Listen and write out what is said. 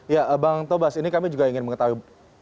ya bang tobas ini kami juga ingin mengetahui